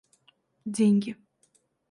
деньги